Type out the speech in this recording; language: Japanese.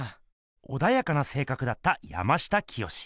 おだやかなせいかくだった山下清。